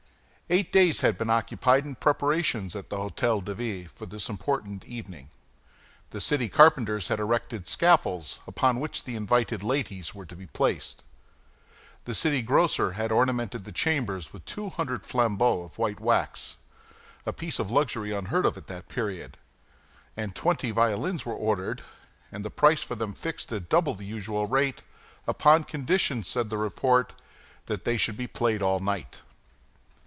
Eight days had been occupied in preparations at the Hôtel de Ville for this important evening. The city carpenters had erected scaffolds upon which the invited ladies were to be placed; the city grocer had ornamented the chambers with two hundred flambeaux of white wax, a piece of luxury unheard of at that period; and twenty violins were ordered, and the price for them fixed at double the usual rate, upon condition, said the report, that they should be played all night.